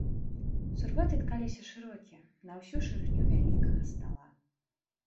Сурвэты ткаліся шырокія, на ўсю шырыню вялікага стала.